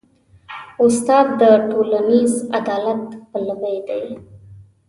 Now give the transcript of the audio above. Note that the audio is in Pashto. استاد د ټولنیز عدالت پلوی دی.